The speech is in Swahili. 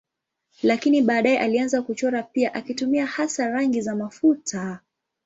Lakini baadaye alianza kuchora pia akitumia hasa rangi za mafuta.